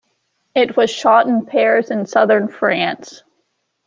It was shot in Paris and southern France.